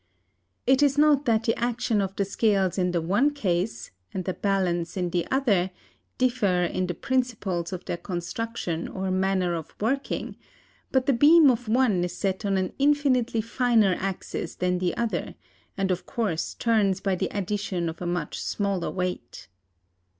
It is not that the action of the scales in the one case, and the balance in the other, differ in the principles of their construction or manner of working; but the beam of one is set on an infinitely finer axis than the other, and of course turns by the addition of a much smaller weight.